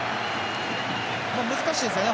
難しいですよね